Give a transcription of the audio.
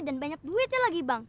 dan banyak duitnya lagi bang